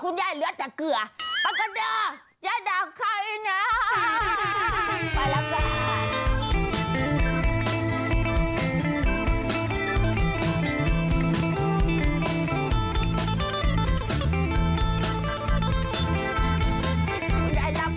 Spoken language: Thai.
คุณยายเหลือแต่เกลือปะกะเดอร์อย่าด่าใครน่า